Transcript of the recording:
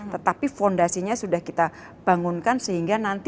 tetapi fondasinya sudah kita bangunkan sehingga nanti